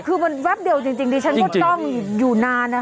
คือมันวัดเดียวจริงจริงดีจริงจริงฉันก็ต้องอยู่นานนะคะ